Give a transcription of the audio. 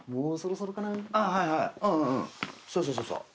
そうそうそうそう。